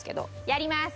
やります！